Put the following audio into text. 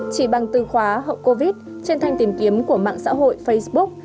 chỉ bằng từ khóa hậu covid trên thanh tìm kiếm của mạng xã hội facebook